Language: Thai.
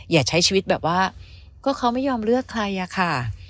อย่าใช้ชีวิตแบบว่าก็เขาไม่ยอมเลือกใครอะค่ะ